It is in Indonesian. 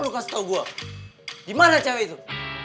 lu kasih tau gua dimana cewek itu